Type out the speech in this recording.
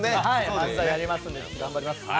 漫才やりますので、頑張ります。